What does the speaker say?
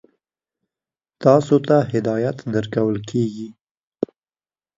تاسو ته هدایت درکول کېږي.